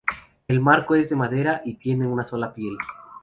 El marco es de madera y tiene una sola piel.